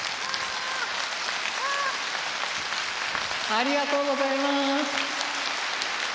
ありがとうございます。